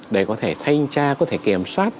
để có thể thanh tra có thể kiểm soát phim chiếu